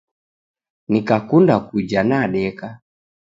Nikakunda kuja nadeka